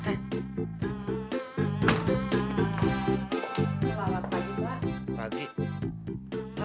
selamat pagi pak